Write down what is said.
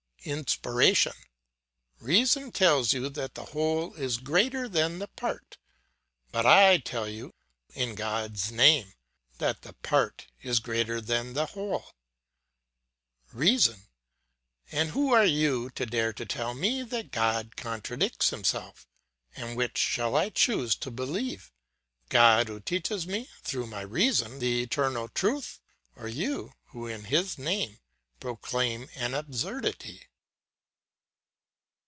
"INSPIRATION: Reason tells you that the whole is greater than the part; but I tell you, in God's name, that the part is greater than the whole. "REASON: And who are you to dare to tell me that God contradicts himself? And which shall I choose to believe. God who teaches me, through my reason, the eternal truth, or you who, in his name, proclaim an absurdity?